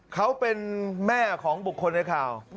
เขาเป็นแม่ของบุคคลในข่าว